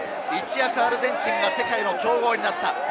一躍アルゼンチンが世界の強豪になった。